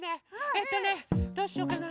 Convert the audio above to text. えっとねどうしようかな？